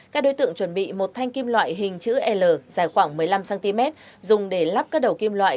các đối tượng chuẩn bị một thanh kim loại hình chữ l dài khoảng một mươi năm cm dùng để lắp các đầu kim loại